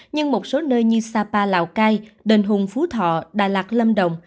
nhưng một số nơi như sapa lào cai đền hùng phú thọ đà lạt lâm đồng